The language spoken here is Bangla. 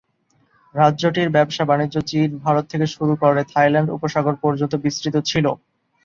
রাজ্যটির ব্যবসা বাণিজ্য চীন, ভারত থেকে শুরু করে থাইল্যান্ড উপসাগর পর্যন্ত বিস্তৃত ছিল।